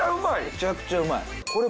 めちゃくちゃうまい。